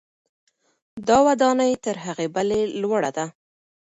دا ودانۍ تر هغې بلې لوړه ده.